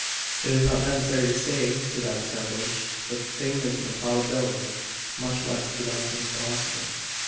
It is not necessary to say to that assemblage, that the thing is an improbability much less to pronounce it impossible.